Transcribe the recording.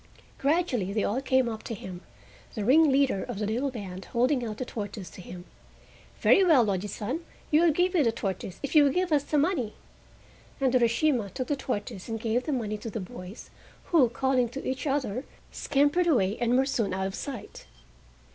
Gradually they all came up to him, the ringleader of the little band holding out the tortoise to him. "Very well, Ojisan, we will give you the tortoise if you will give us the money!" And Urashima took the tortoise and gave the money to the boys, who, calling to each other, scampered away and were soon out of sight.